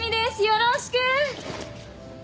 よろしく！